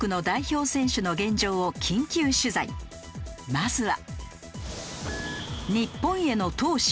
まずは。